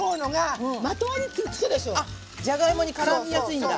あっじゃがいもにからみやすいんだ。